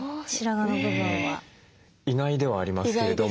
意外ではありますけれども。